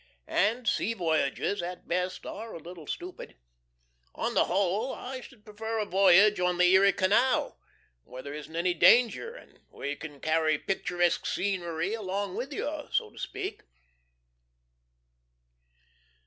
And sea voyages at best are a little stupid. On the whole I should prefer a voyage on the Erie Canal, where there isn't any danger, and where you can carry picturesque scenery along with you so to speak.